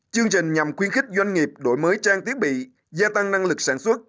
chương trình nhằm quyên khích doanh nghiệp đổi mới trang thiết bị gia tăng năng lực sản xuất